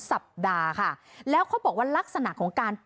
ไม่ได้เด็ดค่ะ